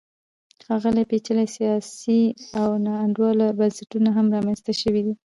ښايي پېچلي سیاسي او ناانډوله بنسټونه هم رامنځته شوي وي